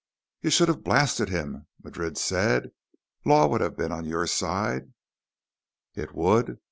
"You should have blasted him," Madrid said. "Law would have been on your side." "It would?